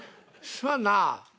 すまんなあ」。